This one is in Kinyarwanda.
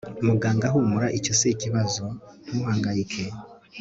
Muganga humura icyo sikibazo ntuhangayike